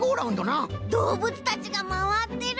どうぶつたちがまわってる！